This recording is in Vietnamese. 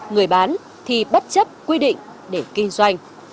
người bán thì bất chấp quy định để kinh doanh